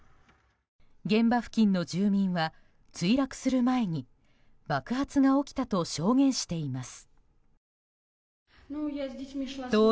現場付近の住民は、墜落する前に爆発が起きたと証言しています。